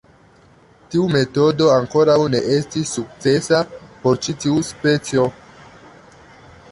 Tiu metodo ankoraŭ ne estis sukcesa por ĉi tiu specio.